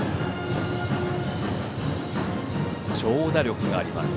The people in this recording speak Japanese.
長打力があります